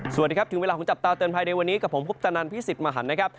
สวัสดีครับถึงเวลาของจับตาเตือนภัยในวันนี้กับผมพุทธนันพี่สิทธิ์มหันนะครับ